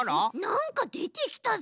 なんかでてきたぞ。